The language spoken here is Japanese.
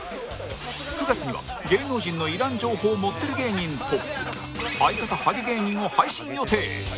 ９月には芸能人のいらん情報もってる芸人と相方ハゲ芸人を配信予定